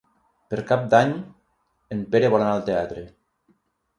Per Cap d'Any en Pere vol anar al teatre.